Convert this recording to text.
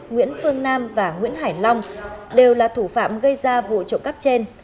nguyễn phương nam và nguyễn hải long đều là thủ phạm gây ra vụ trộm cắp trên